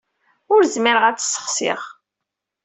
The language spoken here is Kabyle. Ur zmireɣ ad tt-ssexsiɣ.